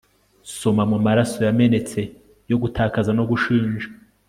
Soma mumaraso yamenetse yo gutakaza no gushinja